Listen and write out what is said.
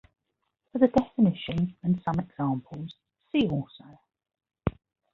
For the definition and some examples, see also.